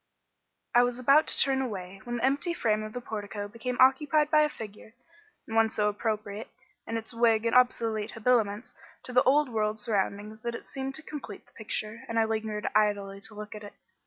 I was about to turn away when the empty frame of the portico became occupied by a figure, and one so appropriate, in its wig and obsolete habiliments, to the old world surroundings that it seemed to complete the picture, and I lingered idly to look at it.